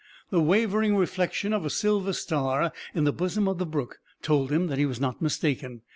The wavering reflection of a silver star in the bosom of the brook told him that he was not mistaken.